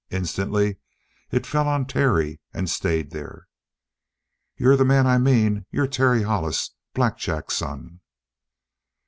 Instantly, it fell on Terry and stayed there. "You're the man I mean; you're Terry Hollis, Black Jack's son?"